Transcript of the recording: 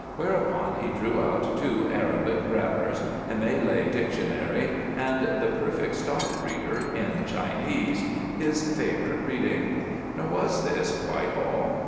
Whereupon he drew out two Arabic grammars, a Malay dictionary, and "The Perfect Stock Breeder" in Chinese—his favorite reading. Nor was this quite all.